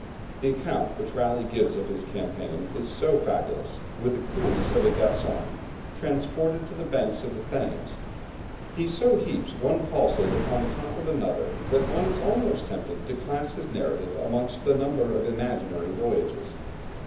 The account which Raleigh gives of his campaign is so fabulous, with the coolness of a Gascon transported to the banks of the Thames, he so heaps one falsehood upon the top of another, that one is almost tempted to class his narrative amongst the number of imaginary voyages.